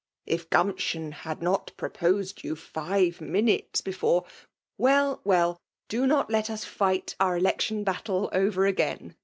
'' If Grumpti9n had vol proposed you five minutes beforo " Well^ well !— do not let us fight our oImh tion battle over again